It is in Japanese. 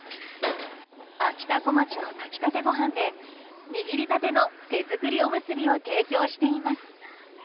あきたこまちの炊き立てご飯で握りたての手作りおむすびを提供しています。